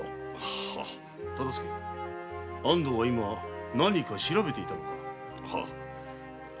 大岡安藤は今何か調べていたのか？